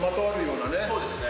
そうですね。